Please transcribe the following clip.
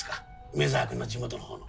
梅沢君の地元の方の。